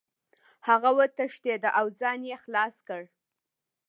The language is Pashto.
هغه وتښتېد او ځان یې خلاص کړ.